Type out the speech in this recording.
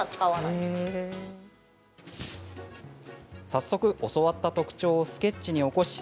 早速、教わった特徴をスケッチに起こし